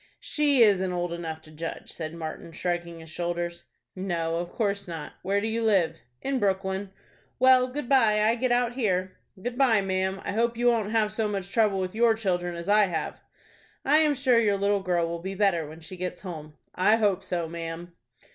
"She isn't old enough to judge," said Martin, shrugging his shoulders. "No, of course not. Where do you live?" "In Brooklyn." "Well, good by; I get out here." "Good by, ma'am. I hope you won't have so much trouble with your children as I have." "I am sure your little girl will be better when she gets home." "I hope so, ma'am."